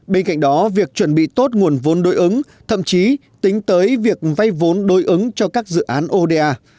bên cạnh đó việc chuẩn bị tốt nguồn vốn đối ứng thậm chí tính tới việc vay vốn đối ứng cho các dự án oda